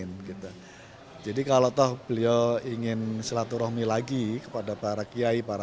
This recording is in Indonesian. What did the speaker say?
nah ini silahkan